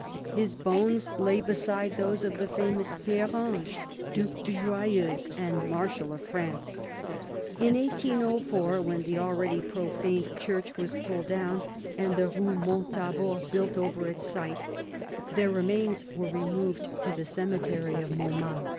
His bones lay beside those of the famous Pere Ange, Due de Joyeuse and Marshal of France. In 1804, when the already profaned church was pulled down and the Rue Mont Thabor built over its site, their remains were removed to the cemetery of Montmartre.